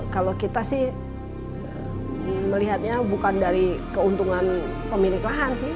kalau kita sih melihatnya bukan dari keuntungan pemilik lahan sih